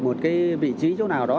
một cái vị trí chỗ nào đó